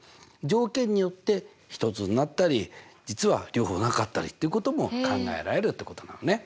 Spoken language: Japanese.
条件によって１つになったり実は両方なかったりっていうことも考えられるってことなのね。